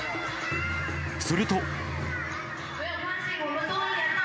すると。